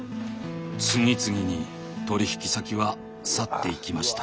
次々に取引先は去っていきました。